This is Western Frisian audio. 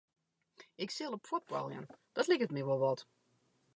Ik sil op fuotbaljen, dat liket my wol wat.